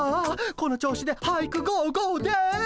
この調子で俳句ゴーゴーです。